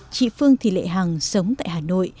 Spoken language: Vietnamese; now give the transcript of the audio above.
chị phương thị lệ hằng sống tại hà nội